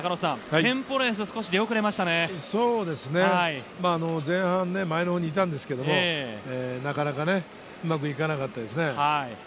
前のほうに前半いたんですけれども、なかなかね、うまくいかなかったですね。